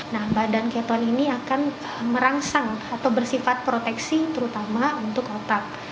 nah badan keton ini akan merangsang atau bersifat proteksi terutama untuk otak